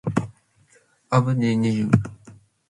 umbi bunaid nibëdosh